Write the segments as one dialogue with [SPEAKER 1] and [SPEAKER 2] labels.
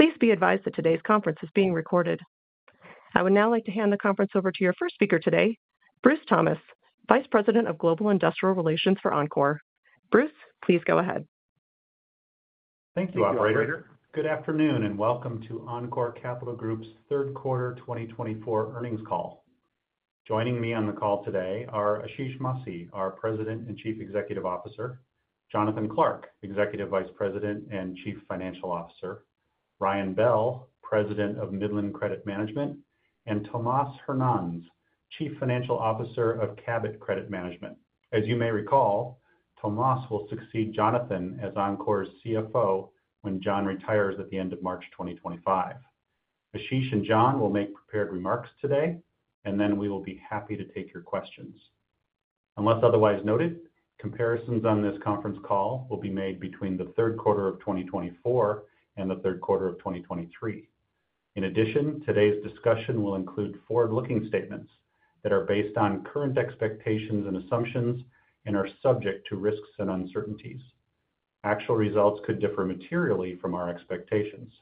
[SPEAKER 1] Please be advised that today's conference is being recorded. I would now like to hand the conference over to your first speaker today, Bruce Thomas, Vice President of Global Investor Relations for Encore. Bruce, please go ahead.
[SPEAKER 2] Thank you, Operator. Good afternoon and welcome to Encore Capital Group's third quarter 2024 earnings call. Joining me on the call today are Ashish Masih, our President and Chief Executive Officer; Jonathan Clark, Executive Vice President and Chief Financial Officer; Ryan Bell, President of Midland Credit Management; and Tomas Hernanz, Chief Financial Officer of Cabot Credit Management. As you may recall, Tomas will succeed Jonathan as Encore's CFO when Jon retires at the end of March 2025. Ashish and Jon will make prepared remarks today, and then we will be happy to take your questions. Unless otherwise noted, comparisons on this conference call will be made between the third quarter of 2024 and the third quarter of 2023. In addition, today's discussion will include forward-looking statements that are based on current expectations and assumptions and are subject to risks and uncertainties. Actual results could differ materially from our expectations.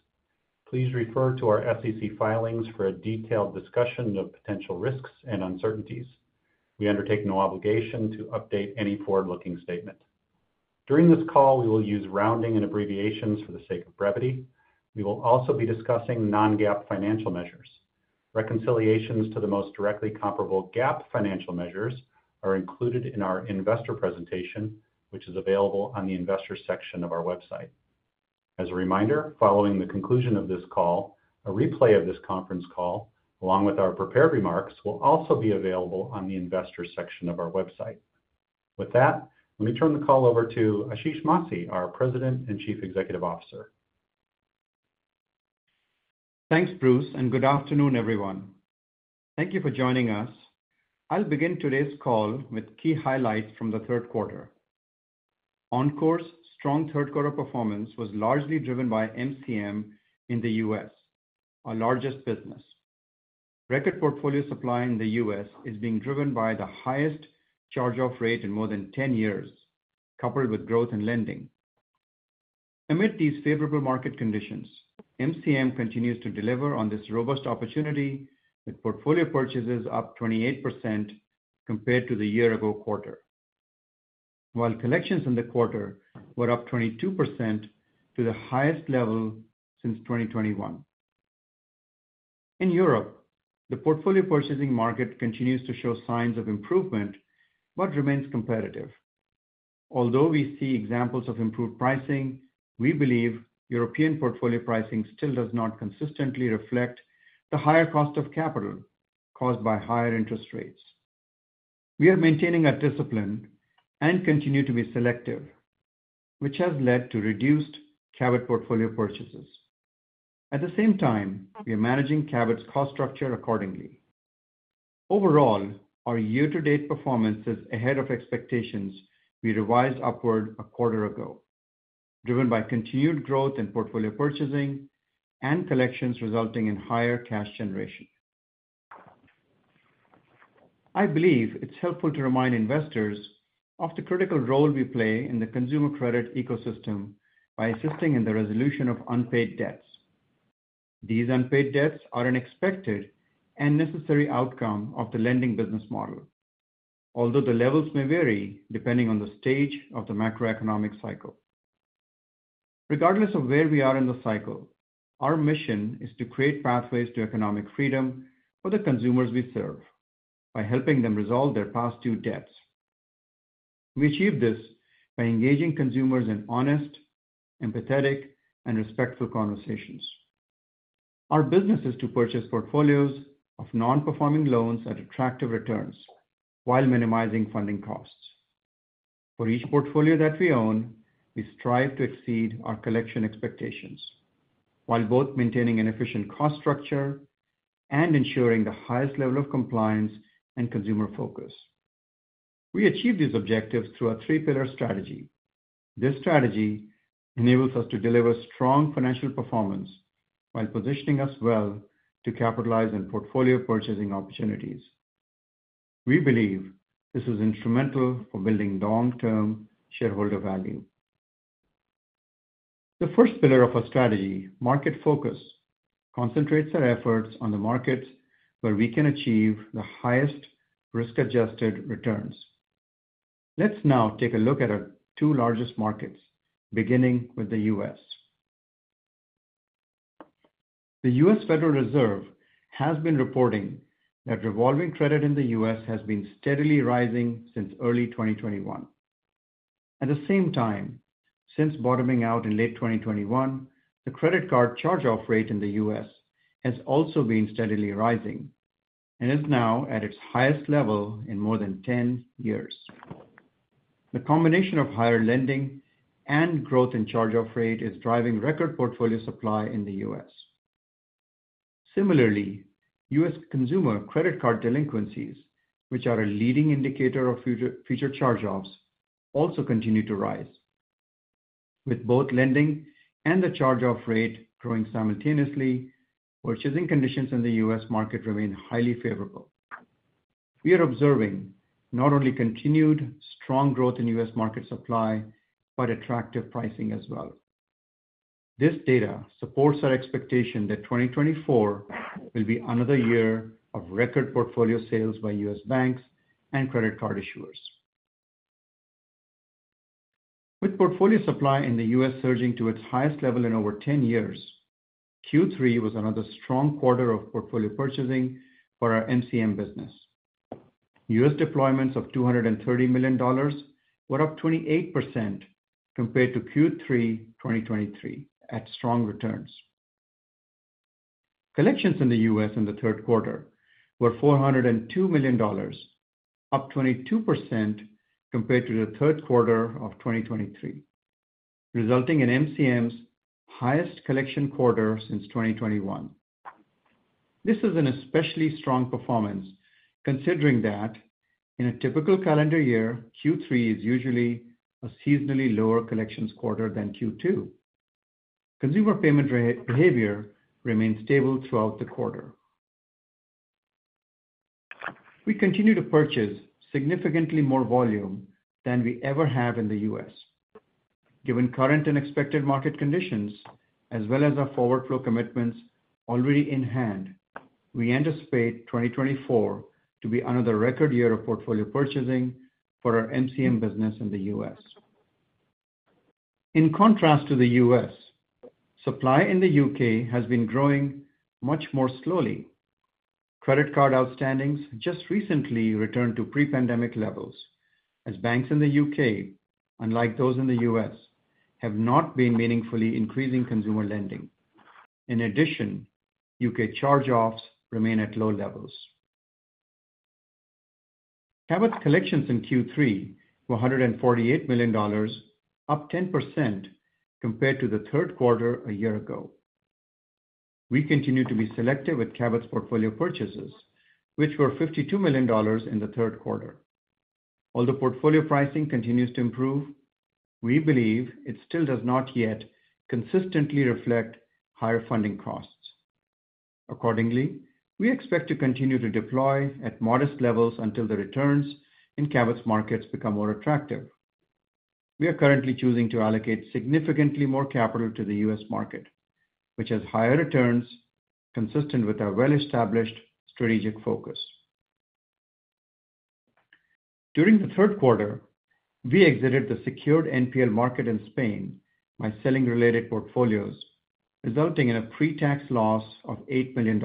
[SPEAKER 2] Please refer to our SEC filings for a detailed discussion of potential risks and uncertainties. We undertake no obligation to update any forward-looking statement. During this call, we will use rounding and abbreviations for the sake of brevity. We will also be discussing non-GAAP financial measures. Reconciliations to the most directly comparable GAAP financial measures are included in our investor presentation, which is available on the investor section of our website. As a reminder, following the conclusion of this call, a replay of this conference call, along with our prepared remarks, will also be available on the investor section of our website. With that, let me turn the call over to Ashish Masih, our President and Chief Executive Officer.
[SPEAKER 3] Thanks, Bruce, and good afternoon, everyone. Thank you for joining us. I'll begin today's call with key highlights from the third quarter. Encore's strong third quarter performance was largely driven by MCM in the U.S., our largest business. Record portfolio supply in the U.S. is being driven by the highest charge-off rate in more than 10 years, coupled with growth and lending. Amid these favorable market conditions, MCM continues to deliver on this robust opportunity, with portfolio purchases up 28% compared to the year-ago quarter, while collections in the quarter were up 22%, to the highest level since 2021. In Europe, the portfolio purchasing market continues to show signs of improvement but remains competitive. Although we see examples of improved pricing, we believe European portfolio pricing still does not consistently reflect the higher cost of capital caused by higher interest rates. We are maintaining our discipline and continue to be selective, which has led to reduced Cabot portfolio purchases. At the same time, we are managing Cabot's cost structure accordingly. Overall, our year-to-date performance is ahead of expectations we revised upward a quarter ago, driven by continued growth in portfolio purchasing and collections resulting in higher cash generation. I believe it's helpful to remind investors of the critical role we play in the consumer credit ecosystem by assisting in the resolution of unpaid debts. These unpaid debts are an expected and necessary outcome of the lending business model, although the levels may vary depending on the stage of the macroeconomic cycle. Regardless of where we are in the cycle, our mission is to create pathways to economic freedom for the consumers we serve by helping them resolve their past due debts. We achieve this by engaging consumers in honest, empathetic, and respectful conversations. Our business is to purchase portfolios of non-performing loans at attractive returns while minimizing funding costs. For each portfolio that we own, we strive to exceed our collection expectations while both maintaining an efficient cost structure and ensuring the highest level of compliance and consumer focus. We achieve these objectives through a three-pillar strategy. This strategy enables us to deliver strong financial performance while positioning us well to capitalize on portfolio purchasing opportunities. We believe this is instrumental for building long-term shareholder value. The first pillar of our strategy, market focus, concentrates our efforts on the markets where we can achieve the highest risk-adjusted returns. Let's now take a look at our two largest markets, beginning with the U.S. The U.S. Federal Reserve has been reporting that revolving credit in the U.S. has been steadily rising since early 2021. At the same time, since bottoming out in late 2021, the credit card charge-off rate in the U.S. has also been steadily rising and is now at its highest level in more than 10 years. The combination of higher lending and growth in charge-off rate is driving record portfolio supply in the U.S. Similarly, U.S. consumer credit card delinquencies, which are a leading indicator of future charge-offs, also continue to rise. With both lending and the charge-off rate growing simultaneously, purchasing conditions in the U.S. market remain highly favorable. We are observing not only continued strong growth in U.S. market supply but attractive pricing as well. This data supports our expectation that 2024 will be another year of record portfolio sales by U.S. banks and credit card issuers. With portfolio supply in the US surging to its highest level in over 10 years, Q3 was another strong quarter of portfolio purchasing for our MCM business. U.S. deployments of $230 million were up 28% compared to Q3 2023 at strong returns. Collections in the U.S. in the third quarter were $402 million, up 22% compared to the third quarter of 2023, resulting in MCM's highest collection quarter since 2021. This is an especially strong performance considering that in a typical calendar year, Q3 is usually a seasonally lower collections quarter than Q2. Consumer payment behavior remained stable throughout the quarter. We continue to purchase significantly more volume than we ever have in the U.S. Given current and expected market conditions, as well as our forward-flow commitments already in hand, we anticipate 2024 to be another record year of portfolio purchasing for our MCM business in the U.S. In contrast to the U.S., supply in the U.K. has been growing much more slowly. Credit card outstandings just recently returned to pre-pandemic levels as banks in the U.K., unlike those in the U.S., have not been meaningfully increasing consumer lending. In addition, U.K. charge-offs remain at low levels. Cabot's collections in Q3 were $148 million, up 10% compared to the third quarter a year ago. We continue to be selective with Cabot's portfolio purchases, which were $52 million in the third quarter. Although portfolio pricing continues to improve, we believe it still does not yet consistently reflect higher funding costs. Accordingly, we expect to continue to deploy at modest levels until the returns in Cabot's markets become more attractive. We are currently choosing to allocate significantly more capital to the U.S. market, which has higher returns consistent with our well-established strategic focus. During the third quarter, we exited the secured NPL market in Spain by selling related portfolios, resulting in a pre-tax loss of $8 million.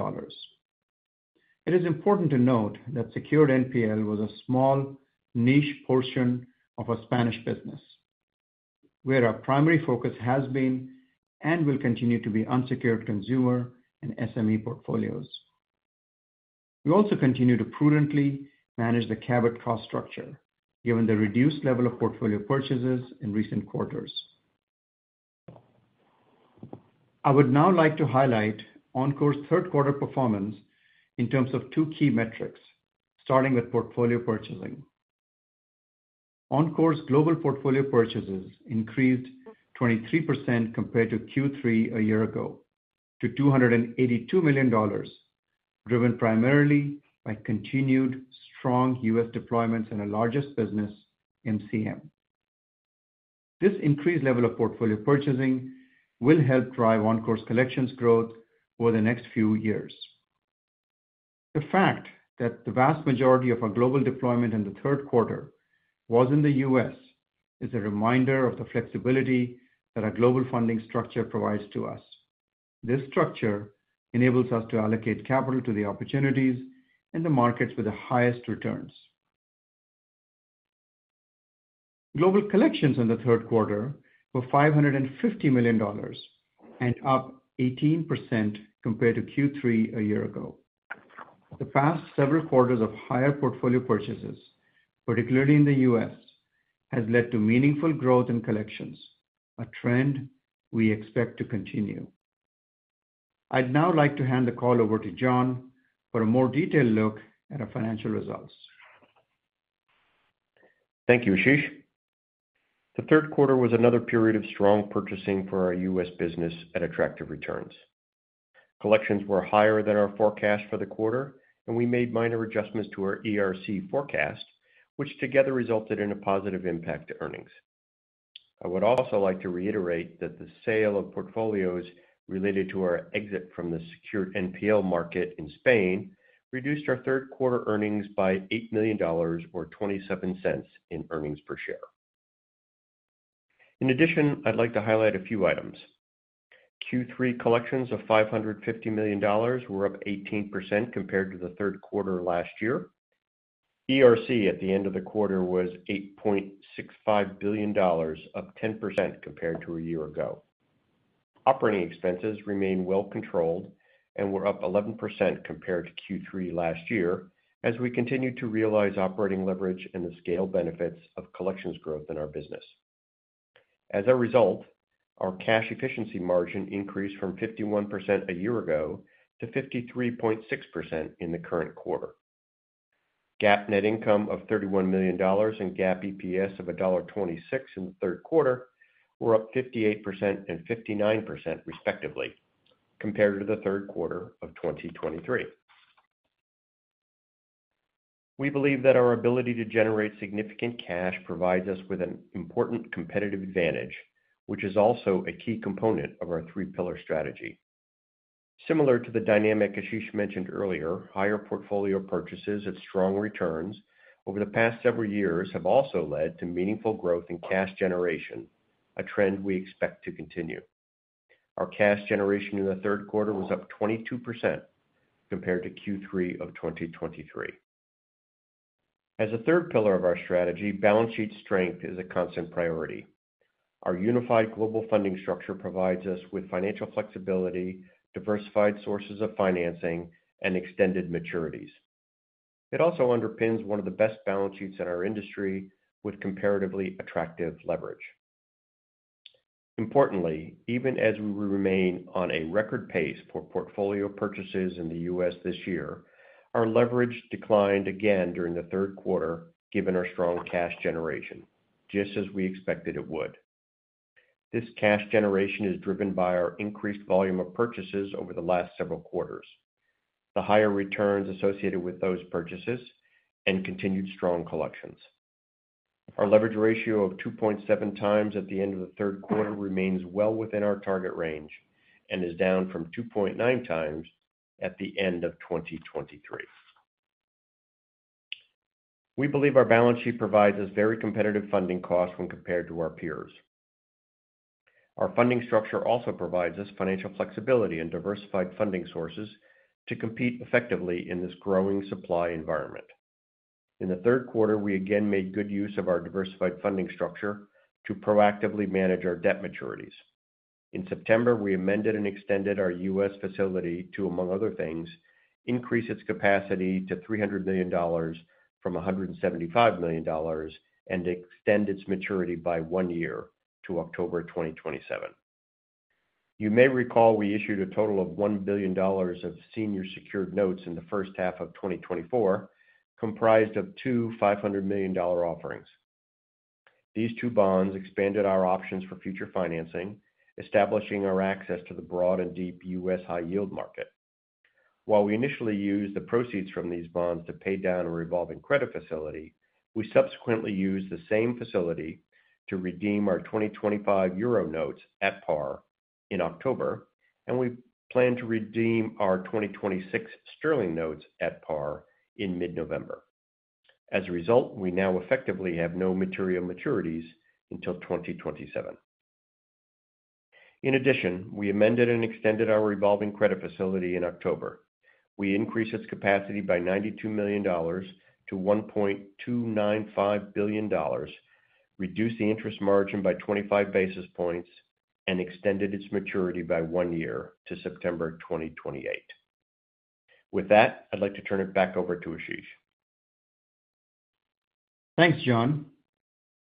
[SPEAKER 3] It is important to note that secured NPL was a small niche portion of our Spanish business, where our primary focus has been and will continue to be unsecured consumer and SME portfolios. We also continue to prudently manage the Cabot cost structure given the reduced level of portfolio purchases in recent quarters. I would now like to highlight Encore's third quarter performance in terms of two key metrics, starting with portfolio purchasing. Encore's global portfolio purchases increased 23% compared to Q3 a year ago to $282 million, driven primarily by continued strong U.S. deployments in our largest business, MCM. This increased level of portfolio purchasing will help drive Encore's collections growth over the next few years. The fact that the vast majority of our global deployment in the third quarter was in the U.S. is a reminder of the flexibility that our global funding structure provides to us. This structure enables us to allocate capital to the opportunities in the markets with the highest returns. Global collections in the third quarter were $550 million and up 18% compared to Q3 a year ago. The past several quarters of higher portfolio purchases, particularly in the U.S., have led to meaningful growth in collections, a trend we expect to continue. I'd now like to hand the call over to Jon for a more detailed look at our financial results.
[SPEAKER 4] Thank you, Ashish. The third quarter was another period of strong purchasing for our U.S. business at attractive returns. Collections were higher than our forecast for the quarter, and we made minor adjustments to our ERC forecast, which together resulted in a positive impact to earnings. I would also like to reiterate that the sale of portfolios related to our exit from the secured NPL market in Spain reduced our third quarter earnings by $8 million, or 27 cents in earnings per share. In addition, I'd like to highlight a few items. Q3 collections of $550 million were up 18% compared to the third quarter last year. ERC at the end of the quarter was $8.65 billion, up 10% compared to a year ago. Operating expenses remained well controlled and were up 11% compared to Q3 last year as we continue to realize operating leverage and the scale benefits of collections growth in our business. As a result, our cash efficiency margin increased from 51% a year ago to 53.6% in the current quarter. GAAP net income of $31 million and GAAP EPS of $1.26 in the third quarter were up 58% and 59% respectively compared to the third quarter of 2023. We believe that our ability to generate significant cash provides us with an important competitive advantage, which is also a key component of our three-pillar strategy. Similar to the dynamics Ashish mentioned earlier, higher portfolio purchases at strong returns over the past several years have also led to meaningful growth in cash generation, a trend we expect to continue. Our cash generation in the third quarter was up 22% compared to Q3 of 2023. As a third pillar of our strategy, balance sheet strength is a constant priority. Our unified global funding structure provides us with financial flexibility, diversified sources of financing, and extended maturities. It also underpins one of the best balance sheets in our industry with comparatively attractive leverage. Importantly, even as we remain on a record pace for portfolio purchases in the U.S. this year, our leverage declined again during the third quarter given our strong cash generation, just as we expected it would. This cash generation is driven by our increased volume of purchases over the last several quarters, the higher returns associated with those purchases, and continued strong collections. Our leverage ratio of 2.7 times at the end of the third quarter remains well within our target range and is down from 2.9 times at the end of 2023. We believe our balance sheet provides us very competitive funding costs when compared to our peers. Our funding structure also provides us financial flexibility and diversified funding sources to compete effectively in this growing supply environment. In the third quarter, we again made good use of our diversified funding structure to proactively manage our debt maturities. In September, we amended and extended our U.S. facility to, among other things, increase its capacity to $300 million from $175 million and extend its maturity by one year to October 2027. You may recall we issued a total of $1 billion of senior secured notes in the first half of 2024, comprised of two $500 million offerings. These two bonds expanded our options for future financing, establishing our access to the broad and deep U.S. high-yield market. While we initially used the proceeds from these bonds to pay down a revolving credit facility, we subsequently used the same facility to redeem our 2025 euro notes at par in October, and we plan to redeem our 2026 sterling notes at par in mid-November. As a result, we now effectively have no material maturities until 2027. In addition, we amended and extended our revolving credit facility in October. We increased its capacity by $92 million-$1.295 billion, reduced the interest margin by 25 basis points, and extended its maturity by one year to September 2028. With that, I'd like to turn it back over to Ashish.
[SPEAKER 3] Thanks, Jon.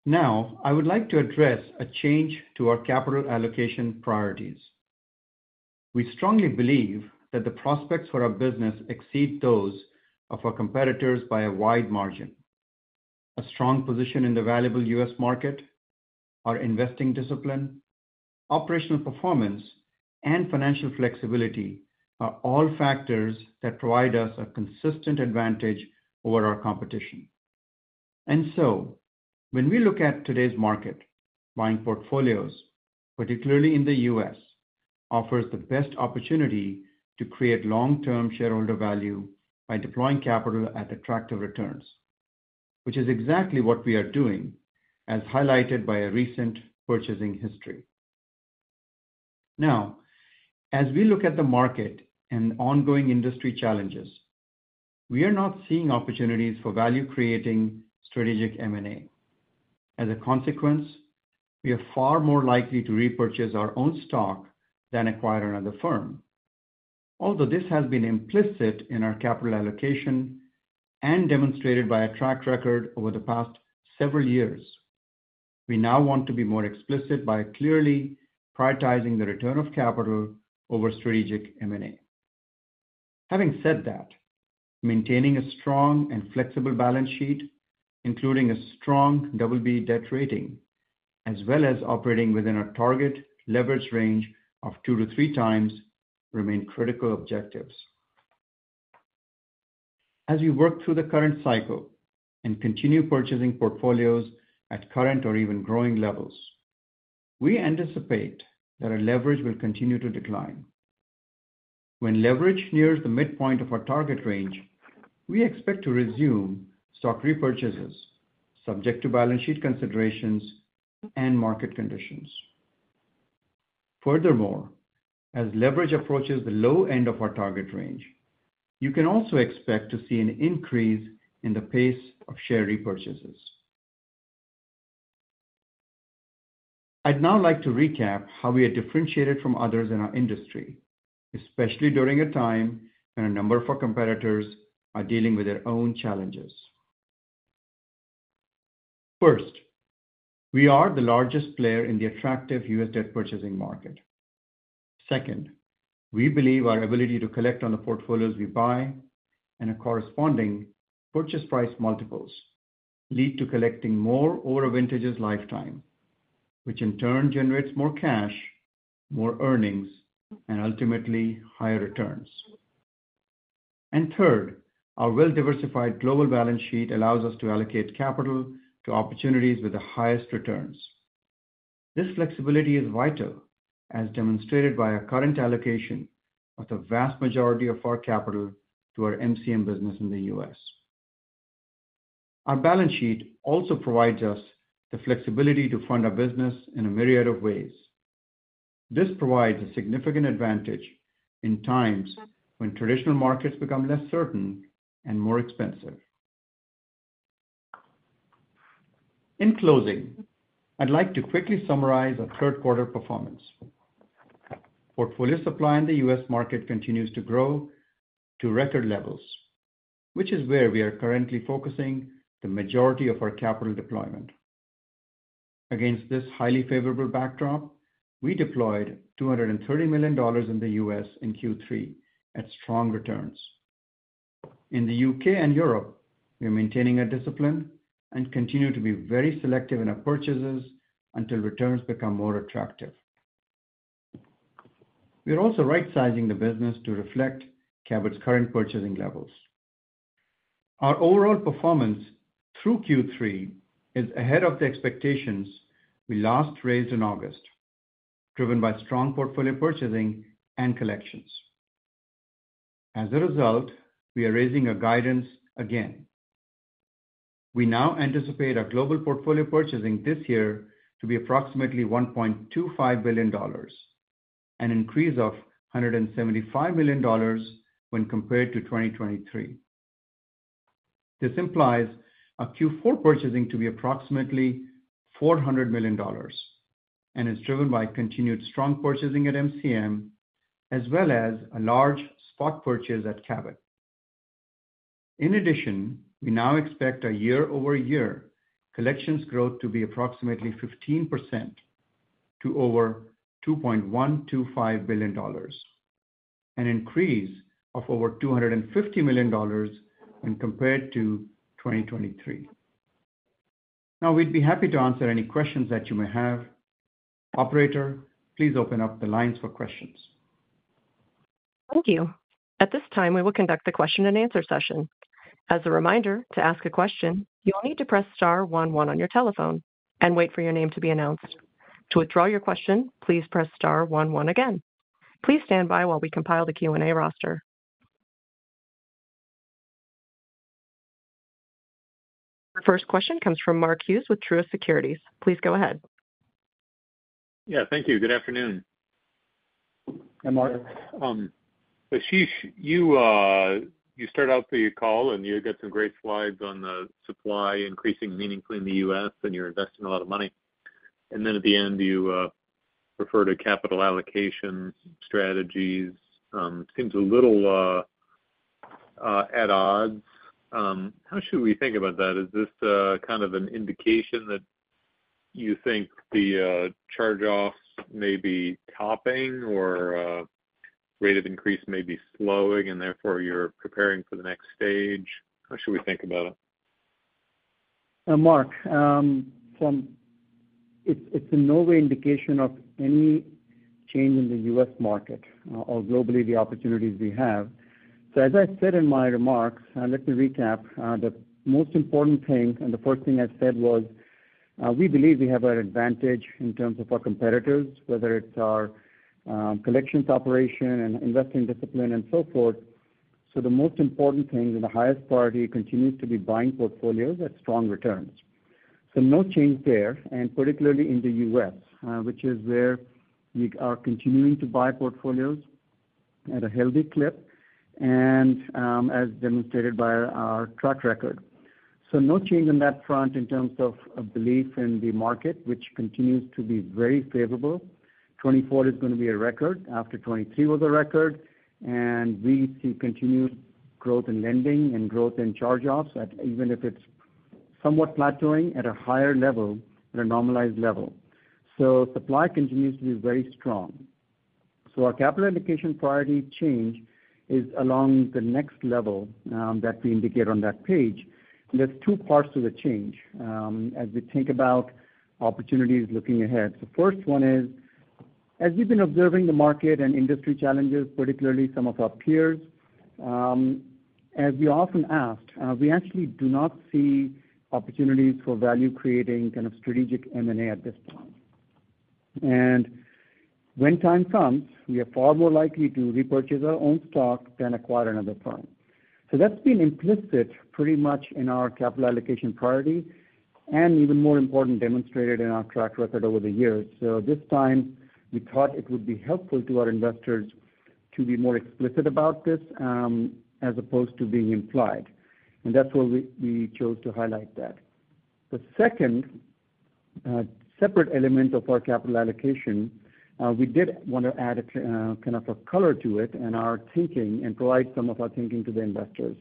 [SPEAKER 3] Now, I would like to address a change to our capital allocation priorities. We strongly believe that the prospects for our business exceed those of our competitors by a wide margin. A strong position in the valuable U.S. market, our investing discipline, operational performance, and financial flexibility are all factors that provide us a consistent advantage over our competition. And so, when we look at today's market, buying portfolios, particularly in the U.S., offers the best opportunity to create long-term shareholder value by deploying capital at attractive returns, which is exactly what we are doing, as highlighted by our recent purchasing history. Now, as we look at the market and ongoing industry challenges, we are not seeing opportunities for value-creating strategic M&A. As a consequence, we are far more likely to repurchase our own stock than acquire another firm. Although this has been implicit in our capital allocation and demonstrated by our track record over the past several years, we now want to be more explicit by clearly prioritizing the return of capital over strategic M&A. Having said that, maintaining a strong and flexible balance sheet, including a strong Double-B debt rating, as well as operating within our target leverage range of two to three times, remain critical objectives. As we work through the current cycle and continue purchasing portfolios at current or even growing levels, we anticipate that our leverage will continue to decline. When leverage nears the midpoint of our target range, we expect to resume stock repurchases subject to balance sheet considerations and market conditions. Furthermore, as leverage approaches the low end of our target range, you can also expect to see an increase in the pace of share repurchases. I'd now like to recap how we are differentiated from others in our industry, especially during a time when a number of our competitors are dealing with their own challenges. First, we are the largest player in the attractive U.S. debt purchasing market. Second, we believe our ability to collect on the portfolios we buy and our corresponding purchase price multiples lead to collecting more over a vintage's lifetime, which in turn generates more cash, more earnings, and ultimately higher returns. And third, our well-diversified global balance sheet allows us to allocate capital to opportunities with the highest returns. This flexibility is vital, as demonstrated by our current allocation of the vast majority of our capital to our MCM business in the U.S. Our balance sheet also provides us the flexibility to fund our business in a myriad of ways. This provides a significant advantage in times when traditional markets become less certain and more expensive. In closing, I'd like to quickly summarize our third quarter performance. Portfolio supply in the U.S. market continues to grow to record levels, which is where we are currently focusing the majority of our capital deployment. Against this highly favorable backdrop, we deployed $230 million in the U.S. in Q3 at strong returns. In the U.K. and Europe, we are maintaining our discipline and continue to be very selective in our purchases until returns become more attractive. We are also right-sizing the business to reflect Cabot's current purchasing levels. Our overall performance through Q3 is ahead of the expectations we last raised in August, driven by strong portfolio purchasing and collections. As a result, we are raising our guidance again. We now anticipate our global portfolio purchasing this year to be approximately $1.25 billion, an increase of $175 million when compared to 2023. This implies our Q4 purchasing to be approximately $400 million and is driven by continued strong purchasing at MCM, as well as a large spot purchase at Cabot. In addition, we now expect our year-over-year collections growth to be approximately 15% to over $2.125 billion, an increase of over $250 million when compared to 2023. Now, we'd be happy to answer any questions that you may have. Operator, please open up the lines for questions.
[SPEAKER 1] Thank you. At this time, we will conduct the question-and-answer session. As a reminder, to ask a question, you'll need to press star 1 1 on your telephone and wait for your name to be announced. To withdraw your question, please press star 1 1 again. Please stand by while we compile the Q&A roster. Our first question comes from Mark Hughes with Truist Securities. Please go ahead.
[SPEAKER 5] Yeah, thank you. Good afternoon.
[SPEAKER 3] Hi, Mark.
[SPEAKER 5] Ashish, you start out the call and you get some great slides on the supply increasing meaningfully in the U.S. and you're investing a lot of money. And then at the end, you refer to capital allocation strategies. It seems a little at odds. How should we think about that? Is this kind of an indication that you think the charge-offs may be topping or the rate of increase may be slowing and therefore you're preparing for the next stage? How should we think about it?
[SPEAKER 3] Mark, it's in no way an indication of any change in the U.S. market or globally the opportunities we have. So, as I said in my remarks, let me recap. The most important thing, and the first thing I said was we believe we have an advantage in terms of our competitors, whether it's our collections operation and investing discipline and so forth. So, the most important thing and the highest priority continues to be buying portfolios at strong returns. So, no change there, and particularly in the U.S., which is where we are continuing to buy portfolios at a healthy clip and as demonstrated by our track record. So, no change on that front in terms of belief in the market, which continues to be very favorable. 2024 is going to be a record after 2023 was a record, and we see continued growth in lending and growth in charge-offs, even if it's somewhat plateauing at a higher level, at a normalized level, so supply continues to be very strong, so our capital allocation priority change is along the next level that we indicate on that page. There's two parts to the change as we think about opportunities looking ahead, so the first one is, as we've been observing the market and industry challenges, particularly some of our peers, as we often asked, we actually do not see opportunities for value-creating kind of strategic M&A at this point, and when time comes, we are far more likely to repurchase our own stock than acquire another firm. So, that's been implicit pretty much in our capital allocation priority and, even more important, demonstrated in our track record over the years. So, this time, we thought it would be helpful to our investors to be more explicit about this as opposed to being implied. And that's why we chose to highlight that. The second separate element of our capital allocation, we did want to add a kind of a color to it in our thinking and provide some of our thinking to the investors.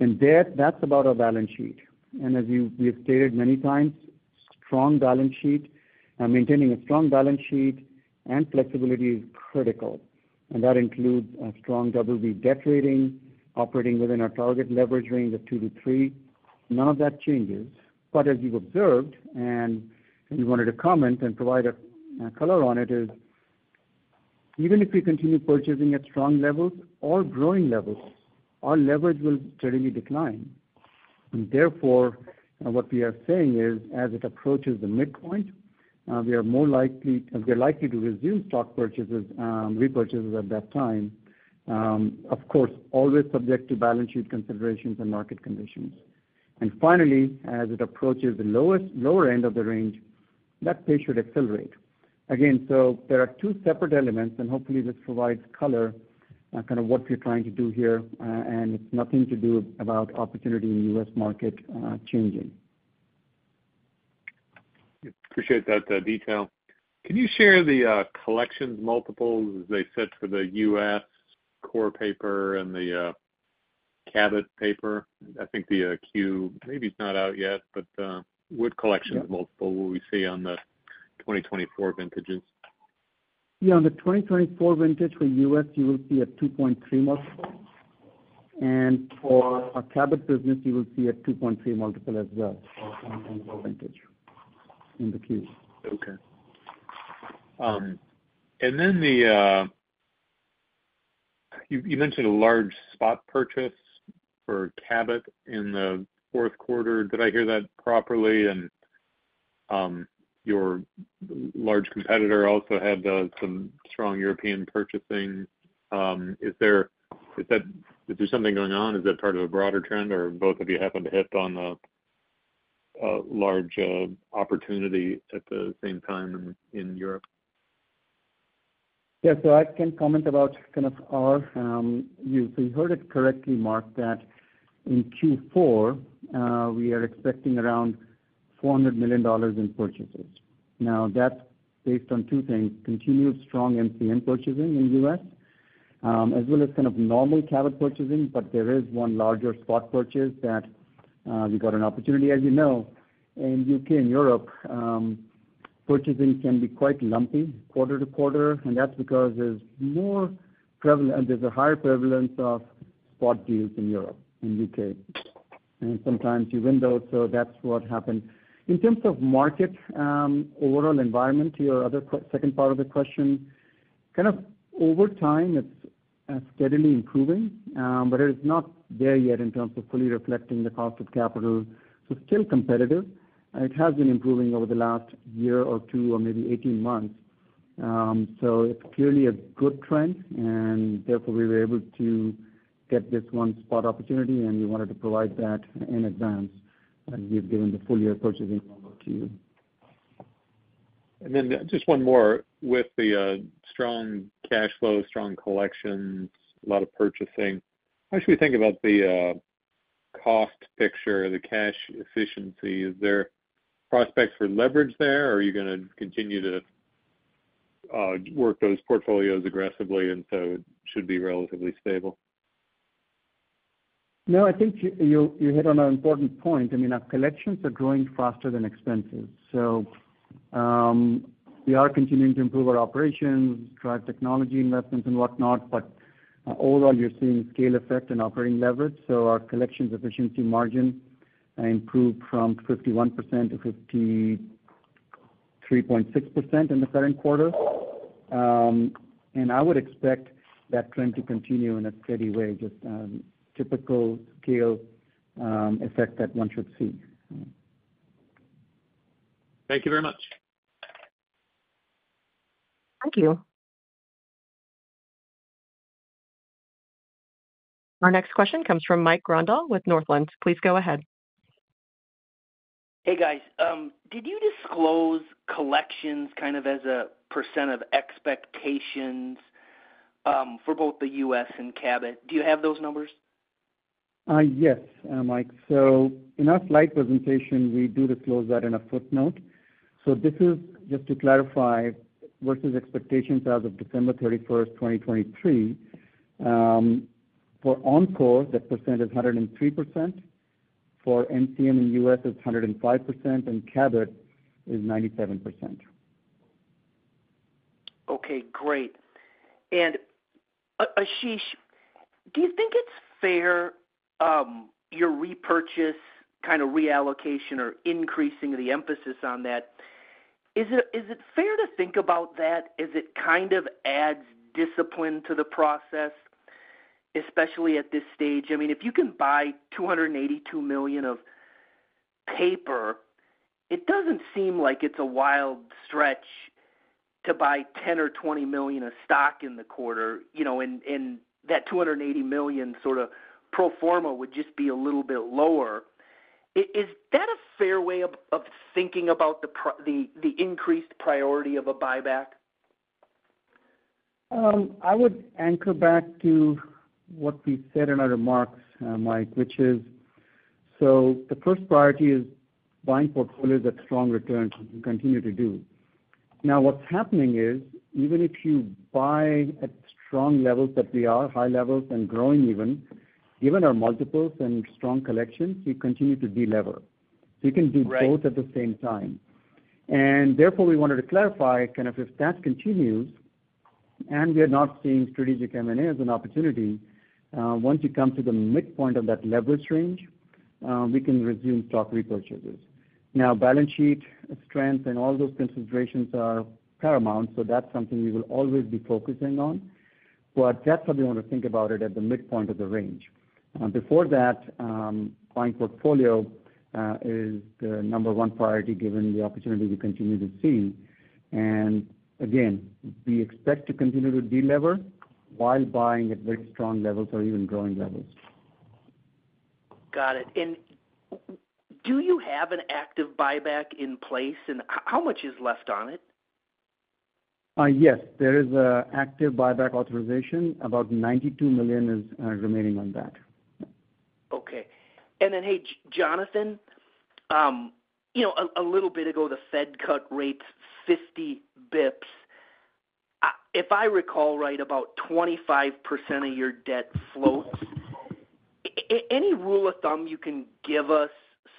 [SPEAKER 3] And that's about our balance sheet. And as we have stated many times, strong balance sheet, maintaining a strong balance sheet and flexibility is critical. And that includes a strong Double-B debt rating, operating within our target leverage range of 2-3. None of that changes. But as you've observed and you wanted to comment and provide a color on it, even if we continue purchasing at strong levels or growing levels, our leverage will steadily decline. And therefore, what we are saying is, as it approaches the midpoint, we are more likely to resume stock purchases, repurchases at that time, of course, always subject to balance sheet considerations and market conditions. And finally, as it approaches the lower end of the range, that pace should accelerate. Again, so there are two separate elements, and hopefully this provides color on kind of what we're trying to do here, and it's nothing to do about opportunity in the U.S. market changing.
[SPEAKER 5] Appreciate that detail. Can you share the collections multiples, as they said, for the U.S. core paper and the Cabot paper? I think the Q, maybe it's not out yet, but what collections multiple will we see on the 2024 vintages?
[SPEAKER 3] Yeah, on the 2024 vintage for U.S., you will see a 2.3 multiple, and for our Cabot business, you will see a 2.3 multiple as well for vintage in the Q.
[SPEAKER 5] Okay. And then you mentioned a large spot purchase for Cabot in the fourth quarter. Did I hear that properly? And your large competitor also had some strong European purchasing. Is there something going on? Is that part of a broader trend, or both of you happen to hit on a large opportunity at the same time in Europe?
[SPEAKER 3] Yeah, so I can comment about kind of our view. So, you heard it correctly, Mark, that in Q4, we are expecting around $400 million in purchases. Now, that's based on two things: continued strong MCM purchasing in the U.S., as well as kind of normal Cabot purchasing, but there is one larger spot purchase that we got an opportunity, as you know, in the U.K. and Europe. Purchasing can be quite lumpy quarter to quarter, and that's because there's a higher prevalence of spot deals in Europe and the U.K. And sometimes you window, so that's what happened. In terms of market overall environment, your other second part of the question, kind of over time, it's steadily improving, but it is not there yet in terms of fully reflecting the cost of capital. So, still competitive. It has been improving over the last year or two or maybe 18 months, so it's clearly a good trend, and therefore, we were able to get this one spot opportunity, and we wanted to provide that in advance as we've given the full year purchasing to you.
[SPEAKER 5] And then just one more. With the strong cash flow, strong collections, a lot of purchasing, how should we think about the cost picture, the cash efficiency? Is there prospects for leverage there, or are you going to continue to work those portfolios aggressively, and so it should be relatively stable?
[SPEAKER 3] No, I think you hit on an important point. I mean, our collections are growing faster than expenses. So, we are continuing to improve our operations, drive technology investments and whatnot, but overall, you're seeing scale effect and operating leverage. So, our collections efficiency margin improved from 51%-53.6% in the current quarter. And I would expect that trend to continue in a steady way, just typical scale effect that one should see.
[SPEAKER 5] Thank you very much.
[SPEAKER 1] Thank you. Our next question comes from Mike Grondahl with Northland. Please go ahead.
[SPEAKER 6] Hey, guys. Did you disclose collections kind of as a percent of expectations for both the U.S. and Cabot? Do you have those numbers?
[SPEAKER 3] Yes, Mike. So, in our slide presentation, we do disclose that in a footnote. So, this is just to clarify versus expectations as of December 31st, 2023. For Encore, that percent is 103%. For MCM in the U.S., it's 105%, and Cabot is 97%.
[SPEAKER 6] Okay, great. And Ashish, do you think it's fair, your repurchase, kind of reallocation or increasing the emphasis on that? Is it fair to think about that? Is it kind of adds discipline to the process, especially at this stage? I mean, if you can buy $282 million of paper, it doesn't seem like it's a wild stretch to buy $10 or $20 million of stock in the quarter. And that $280 million sort of pro forma would just be a little bit lower. Is that a fair way of thinking about the increased priority of a buyback?
[SPEAKER 3] I would anchor back to what we said in our remarks, Mike, which is, so the first priority is buying portfolios at strong returns and continue to do. Now, what's happening is, even if you buy at strong levels that we are, high levels and growing even, given our multiples and strong collections, you continue to de-lever, so you can do both at the same time, and therefore, we wanted to clarify kind of if that continues, and we are not seeing strategic M&A as an opportunity, once you come to the midpoint of that leverage range, we can resume stock repurchases. Now, balance sheet strength and all those considerations are paramount, so that's something we will always be focusing on, but that's how we want to think about it at the midpoint of the range. Before that, buying portfolio is the number one priority given the opportunity we continue to see. And again, we expect to continue to delever while buying at very strong levels or even growing levels.
[SPEAKER 6] Got it. And do you have an active buyback in place? And how much is left on it?
[SPEAKER 3] Yes, there is an active buyback authorization. About $92 million is remaining on that.
[SPEAKER 6] Okay. And then, hey, Jonathan, a little bit ago, the Fed cut rates 50 basis points. If I recall right, about 25% of your debt floats. Any rule of thumb you can give us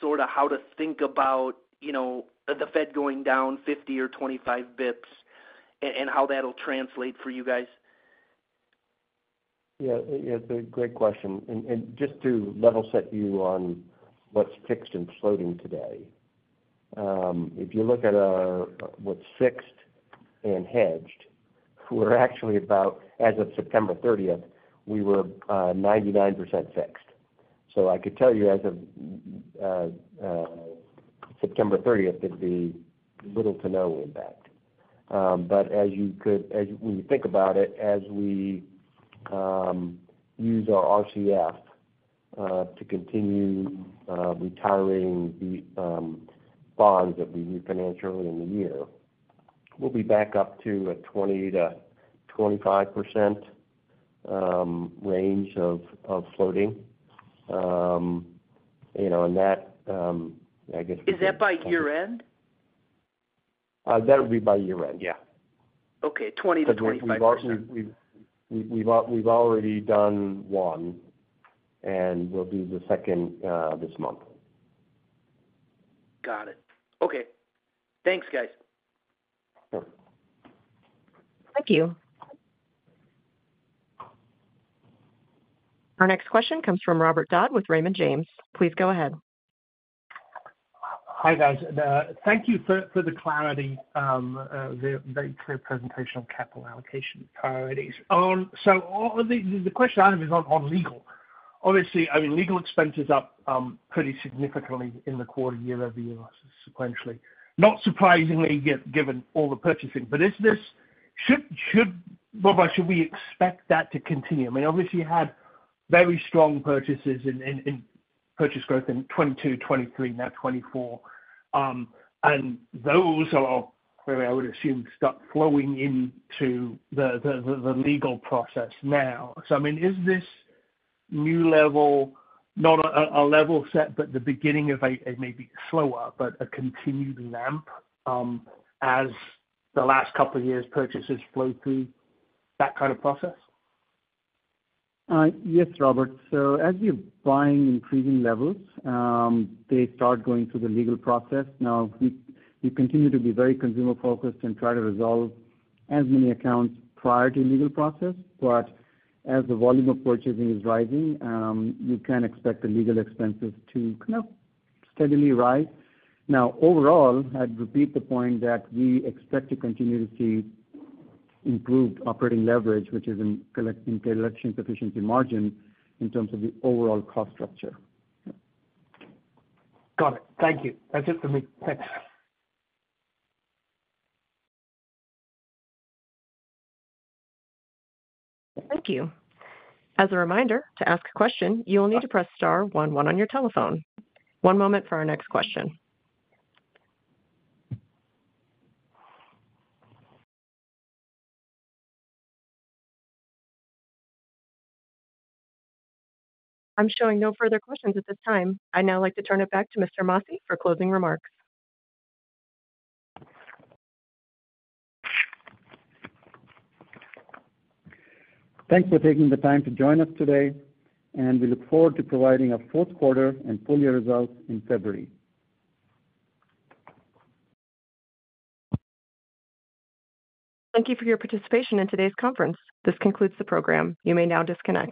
[SPEAKER 6] sort of how to think about the Fed going down 50 or 25 basis points and how that'll translate for you guys?
[SPEAKER 4] Yeah, it's a great question. And just to level set you on what's fixed and floating today, if you look at what's fixed and hedged, we're actually about, as of September 30th, we were 99% fixed. So, I could tell you as of September 30th, it'd be little to no impact. But as you could, when you think about it, as we use our RCF to continue retiring the bonds that we refinanced early in the year, we'll be back up to a 20%-25% range of floating. And that, I guess.
[SPEAKER 6] Is that by year-end?
[SPEAKER 4] That would be by year-end, yeah.
[SPEAKER 6] Okay, 20%-25%.
[SPEAKER 4] But we've already done one, and we'll do the second this month.
[SPEAKER 6] Got it. Okay. Thanks, guys.
[SPEAKER 1] Thank you. Our next question comes from Robert Dodd with Raymond James. Please go ahead.
[SPEAKER 7] Hi, guys. Thank you for the clarity, the very clear presentation of capital allocation priorities. So, the question I have is on legal. Obviously, I mean, legal expenses up pretty significantly in the quarter, year-over-year, sequentially. Not surprisingly, given all the purchasing. But well, should we expect that to continue? I mean, obviously, you had very strong purchases and purchase growth in 2022, 2023, now 2024. And those are, I would assume, still flowing into the legal process now. So, I mean, is this new level, not a level set, but the beginning of a maybe slower, but a continued ramp as the last couple of years' purchases flow through that kind of process?
[SPEAKER 3] Yes, Robert. So, as you're buying increasing levels, they start going through the legal process. Now, we continue to be very consumer-focused and try to resolve as many accounts prior to the legal process. But as the volume of purchasing is rising, you can expect the legal expenses to kind of steadily rise. Now, overall, I'd repeat the point that we expect to continue to see improved operating leverage, which is a cash efficiency margin in terms of the overall cost structure.
[SPEAKER 7] Got it. Thank you. That's it for me. Thanks.
[SPEAKER 1] Thank you. As a reminder, to ask a question, you will need to press star 11 on your telephone. One moment for our next question. I'm showing no further questions at this time. I'd now like to turn it back to Mr. Masih for closing remarks.
[SPEAKER 3] Thanks for taking the time to join us today, and we look forward to providing our fourth quarter and full year results in February.
[SPEAKER 1] Thank you for your participation in today's conference. This concludes the program. You may now disconnect.